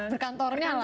berkantornya lah ya